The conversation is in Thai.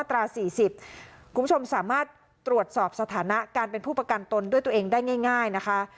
คุณผู้ชมสามารถตรวจสอบสถานะการเป็นผู้ประกันตนด้วยตัวเองได้ง่ายนะคะ